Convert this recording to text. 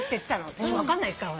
私分かんないから。